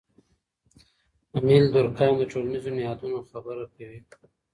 امیل دورکهایم د ټولنیزو نهادونو خبره کوي.